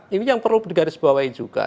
ini yang perlu digarisbawahi juga